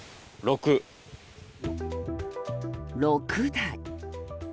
６台。